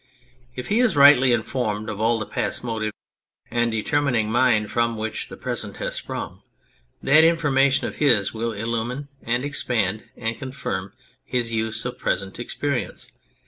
If he is rightly informed of all the past motive and determining mind from which the present has sprung, that information of his will illumine and expand and confirm his use of present experience.